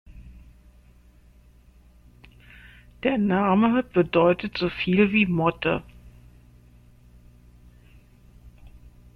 Der Name bedeutet so viel wie "Motte".